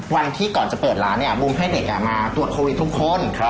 วันที่ก่อนจะเปิดร้านเนี่ยบุมให้เด็กมาตรวจโควิดทุกคน